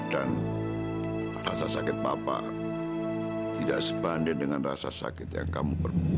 dan rasa sakit papa tidak sebanding dengan rasa sakit yang kamu perbuat